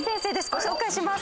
ご紹介します。